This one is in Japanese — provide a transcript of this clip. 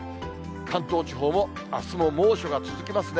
関東地方も、あすも猛暑が続きますね。